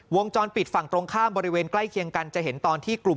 วงจรปิดฝั่งตรงข้ามบริเวณใกล้เคียงกันจะเห็นตอนที่กลุ่ม